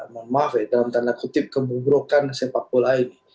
maaf ya dalam tanda kutip kemugrohkan sepak bola ini